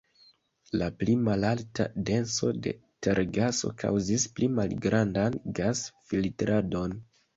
La pli malalta denso de tergaso kaŭzis pli malgrandan gas-filtradon.